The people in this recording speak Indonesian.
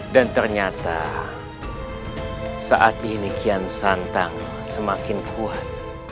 dan ternyata saat ini kian santang semakin kuat